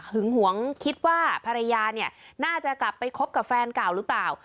หวงคิดว่าภรรยาเนี่ยน่าจะกลับไปคบกับแฟนเก่าหรือเปล่า